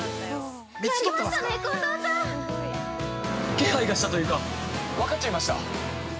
◆気配がしたというか分かっちゃいました！